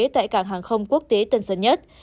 tại cảng hàng không quốc tế tân dân nhất